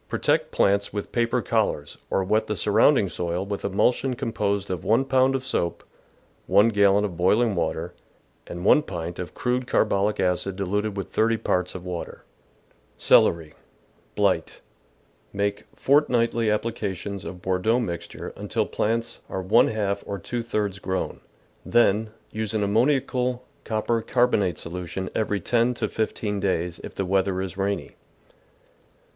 — Protect plants with paper col lars, or wet the surrounding soil with emulsion com posed of one pound of soap, one gallon of boiling water, and one pint of crude carbolic acid diluted with thirty parts of water. Celery. — Blight. — Make fortnightly applica tions of Bordeaux mixture until plants are one half or two thirds grown, then use an ammoniacal THE GARDEN'S ENEMIES copper carbonate solution every ten to fifteen days, if the weather is rainy.